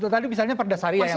tadi misalnya pardas arya yang